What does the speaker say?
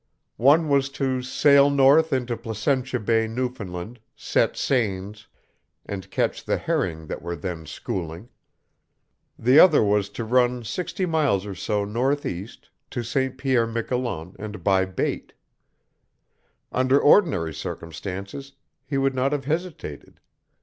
One was to sail north into Placentia Bay, Newfoundland, set seines, and catch the herring that were then schooling. The other was to run sixty miles or so northeast to St. Pierre, Miquelon, and buy bait. Under ordinary circumstances he would not have hesitated.